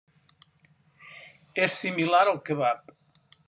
És similar al kebab.